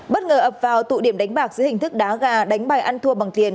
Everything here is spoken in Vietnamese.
bất ngờ ập vào tụ điểm đánh bạc dưới hình thức đá gà đánh bài ăn thua bằng tiền